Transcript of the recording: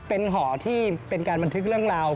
เป็นหอที่เป็นการบันทึกเรื่องราว